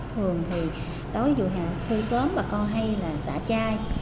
thường thì đối với vụ hề thu sớm bà con hay là xả chai